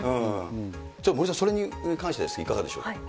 森さん、それに関してはいかがでしょうか。